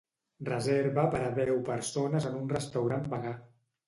Reserva per a deu persones en un restaurant vegà.